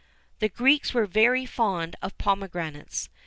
[XIV 47] The Greeks were very fond of pomegranates.